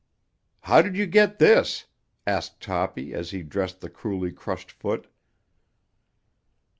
"How did you get this?" asked Toppy, as he dressed the cruelly crushed foot.